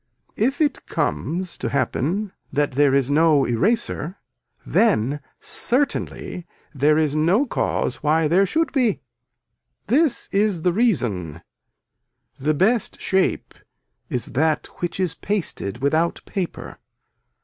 If it comes to happen that there is no eraser then certainly there is no cause why there should be. This is the reason. The best shape is that which is pasted without paper.